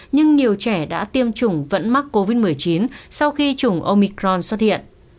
nhưng nhiều trẻ đã tiêm chủng vẫn mắc covid một mươi chín sau khi chủng omicron xuất hiện